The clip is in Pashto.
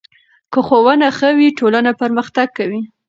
که ښوونه ښه وي، ټولنه پرمختګ کوي.